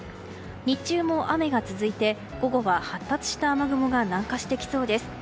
日中も雨が続いて午後は発達した雨雲が南下してきそうです。